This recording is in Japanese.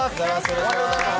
おはようございます。